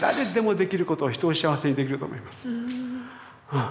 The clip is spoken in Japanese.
うん。